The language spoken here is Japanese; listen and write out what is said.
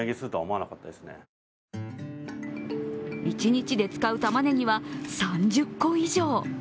一日で使うたまねぎは３０個以上。